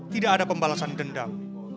tidak ada pembalasan dendam